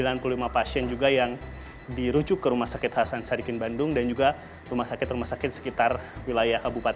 rather beter jikaulinasi fuerza menimbulkan kepentingan bersasar jaringan yang ber support